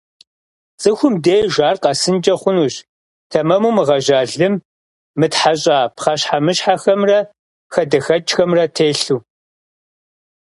Цӏыхум деж ар къэсынкӏэ хъунущ тэмэму мыгъэжьа лым, мытхьэщӏа пхъэщхьэмыщхьэхэмрэ хадэхэкӏхэмрэ телъу.